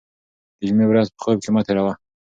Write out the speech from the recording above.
د جمعې ورځ په خوب کې مه تېروه.